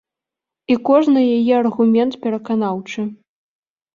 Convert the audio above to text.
І кожны яе аргумент пераканаўчы.